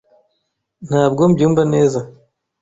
Ntabwo mbyumva neza.